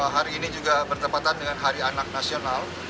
hari ini juga bertepatan dengan hari anak nasional